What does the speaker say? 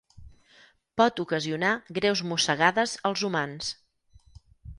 Pot ocasionar greus mossegades als humans.